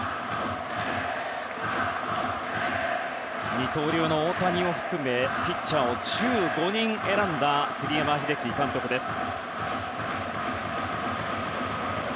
二刀流の大谷を含めピッチャーを１５人選んだ栗山英樹監督です。